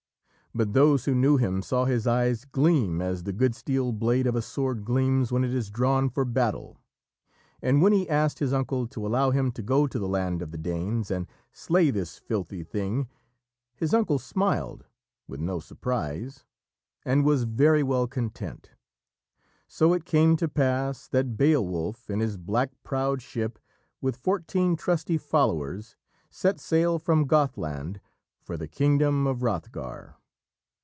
But those who knew him saw his eyes gleam as the good steel blade of a sword gleams when it is drawn for battle, and when he asked his uncle to allow him to go to the land of the Danes and slay this filthy thing, his uncle smiled, with no surprise, and was very well content. So it came to pass that Beowulf, in his black prowed ship, with fourteen trusty followers, set sail from Gothland for the kingdom of Hrothgar.